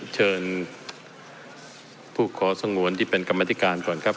เชิญผู้ขอสงวนที่เป็นกรรมธิการก่อนครับ